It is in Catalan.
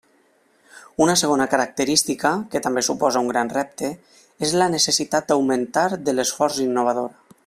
Una segona característica, que també suposa un gran repte, és la necessitat d'augmentar de l'esforç innovador.